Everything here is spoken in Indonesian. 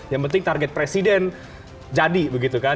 yang penting target presiden jadi begitu kan